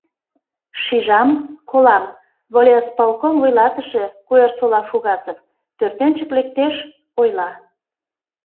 Шижам, колам: волисполком вуйлатыше, Куэрсола Фугасов, пӧртӧнчык лектеш, ойла: